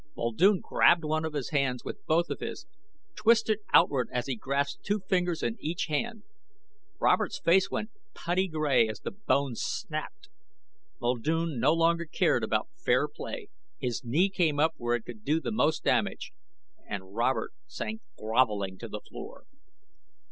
Muldoon grabbed one of the hands with both of his, twisted outward as he grasped two fingers in each hand. Robert's face went putty grey as the bones snapped. Muldoon no longer cared about fair play. His knee came up where it could do most damage, and Robert sank grovelling to the floor.